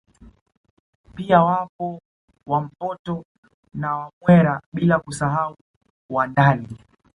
Pia wapo Wampoto na Wamwera bila kusahau Wandali